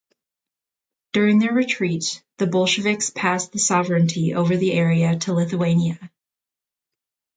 During their retreat, the Bolsheviks passed the sovereignty over the area to Lithuania.